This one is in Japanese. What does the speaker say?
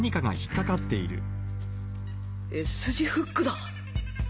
Ｓ 字フックだ！